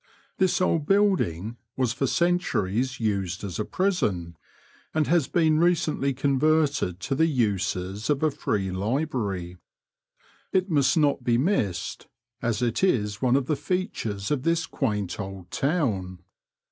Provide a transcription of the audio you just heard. This old building was for centuries used as a prison, and has been recently converted to the uses of a Free Library. It must not be missed, as it is one of the features of this quaint old town.